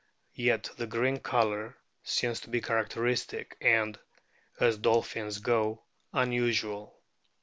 Yet the green colour seems to be characteristic and, as dolphins go, unusual.